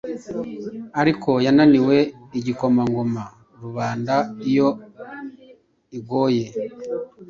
Ariko yananiwe-igikomangoma-rubanda iyo igoye